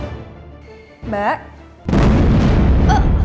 aduh aduh kalau ketahuan mbak andin lagi bersihin kolam bisa gawat kiki